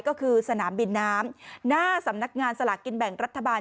ก็คือสนามบินน้ำหน้าสำนักงานสลากกินแบ่งรัฐบาล